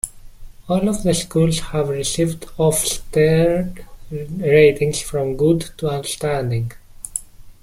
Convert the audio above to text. All of the schools have received Ofsted ratings from "good" to "outstanding".